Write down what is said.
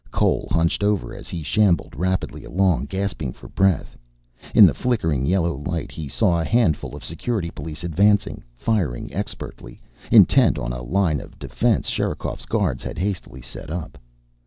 Cole hunched over as he shambled rapidly along, gasping for breath. In the flickering yellow light he saw a handful of Security police advancing, firing expertly, intent on a line of defense Sherikov's guards had hastily set up.